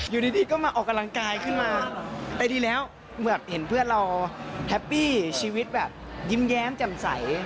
อยู่ดีก็มาออกกำลังกายขึ้นมาแต่ดีแล้วเหมือนเห็นเพื่อนเราแฮปปี้ชีวิตแบบยิ้มแย้มแจ่มใส